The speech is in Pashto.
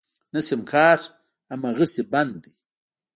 نه سيمکارټ امغسې بند دی.